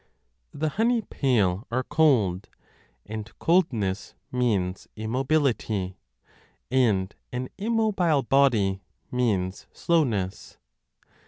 The honey pale are cold, and coldness means immobility, and an immobile body means slowness.